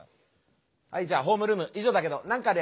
はいじゃホームルーム以上だけど何かあるやついるか？